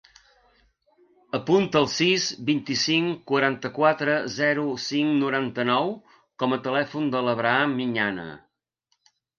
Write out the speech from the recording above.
Apunta el sis, vint-i-cinc, quaranta-quatre, zero, cinc, noranta-nou com a telèfon de l'Abraham Miñana.